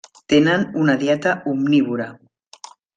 Tenen una dieta omnívora.